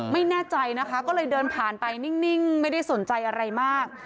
ไม่แน่ใจนะคะก็เลยเดินผ่านไปนิ่งไม่ได้สนใจอะไรมาก